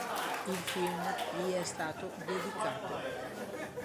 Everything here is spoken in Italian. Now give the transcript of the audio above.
Il film gli è stato dedicato.